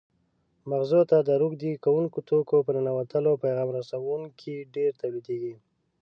مغزو ته د روږدي کوونکو توکو په ننوتلو پیغام رسوونکي ډېر تولیدېږي.